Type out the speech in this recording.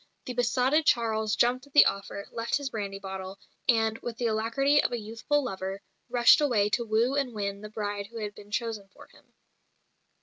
The besotted Charles jumped at the offer; left his brandy bottle, and, with the alacrity of a youthful lover, rushed away to woo and win the bride who had been chosen for him.